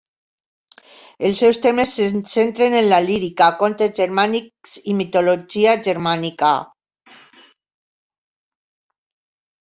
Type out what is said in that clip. Els seus temes se centren en la lírica contes germànics i mitologia germànica.